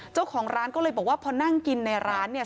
เจ้าของร้านก็เลยบอกว่าพอนั่งกินในร้านเนี่ย